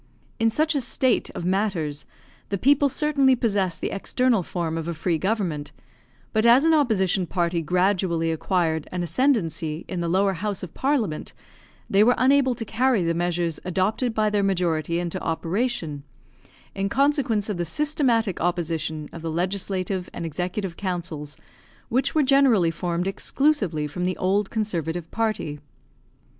In such a state of matters the people certainly possessed the external form of a free government, but as an opposition party gradually acquired an ascendancy in the lower House of Parliament, they were unable to carry the measures adopted by their majority into operation, in consequence of the systematic opposition of the legislative and executive councils, which were generally formed exclusively from the old conservative party.